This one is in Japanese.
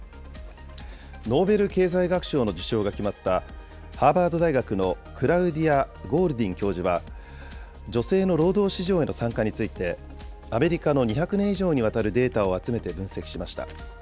ノーベル経済学賞の受賞が決まった、ハーバード大学のクラウディア・ゴールディン教授は、女性の労働市場への参加について、アメリカの２００年以上にわたるデータを集めて分析しました。